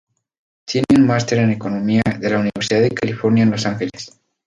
Tiene un máster en Economía de la Universidad de California en Los Ángeles.